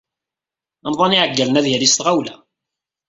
Amḍan iɛeggalen ad yali s tɣawla.